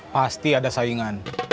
pasti ada saingan